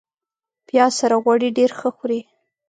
پیاز سره غوړي ډېر ښه خوري